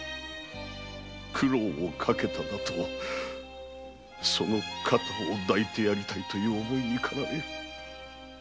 苦労をかけたなとその肩を抱いてやりたい思いにかられ。